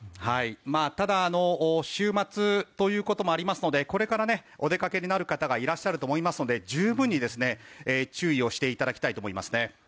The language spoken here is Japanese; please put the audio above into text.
ただ週末ということもありますのでこれからお出かけになる方がいらっしゃると思いますので十分に注意をしていただきたいと思います。